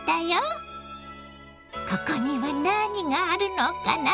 ここには何があるのかな？